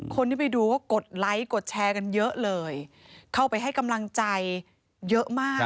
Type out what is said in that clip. คนที่ไปดูก็กดไลค์กดแชร์กันเยอะเลยเข้าไปให้กำลังใจเยอะมาก